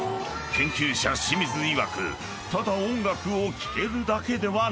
研究者清水いわくただ音楽を聴けるだけではない］